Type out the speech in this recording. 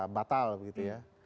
batal begitu ya